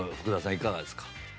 いかがですか。